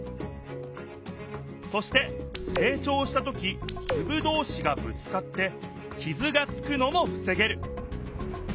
そしてせい長した時つぶどうしがぶつかってきずがつくのもふせげる。